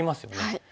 はい。